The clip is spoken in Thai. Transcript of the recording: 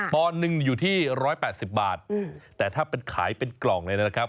ตอนหนึ่งอยู่ที่๑๘๐บาทแต่ถ้าเป็นขายเป็นกล่องเลยนะครับ